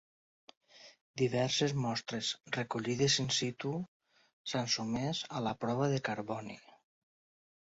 Diverses mostres recollides in situ s'han sotmès a la prova de carboni.